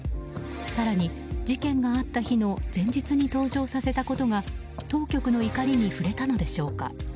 更に事件があった日の前日に登場させたことが当局の怒りに触れたのでしょうか。